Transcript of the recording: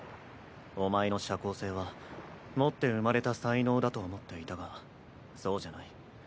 お前の社交性は持って生まれた才能だと思っていたがそうじゃない。